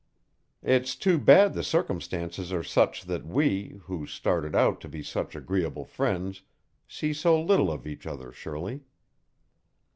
"It's too bad the circumstances are such that we, who started out to be such agreeable friends, see so little of each other, Shirley."